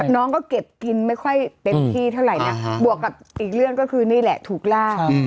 น้องก็เก็บกินไม่ค่อยเต็มที่เท่าไหร่นะบวกกับอีกเรื่องก็คือนี่แหละถูกลาก